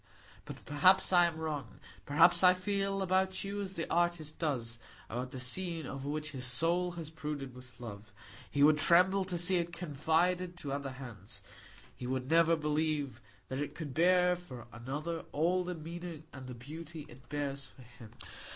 But perhaps I am wrong; perhaps I feel about you as the artist does about the scene over which his soul has brooded with love; he would tremble to see it confided to other hands; he would never believe that it could bear for another all the meaning and the beauty it bears for him.